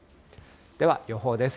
では予報です。